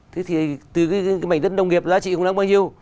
thế thì từ cái mảnh đất đông nghiệp giá trị cũng đáng bao nhiêu